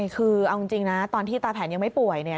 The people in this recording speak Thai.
คือเอาจริงนะตอนที่ตาแผนยังไม่ป่วยเนี่ย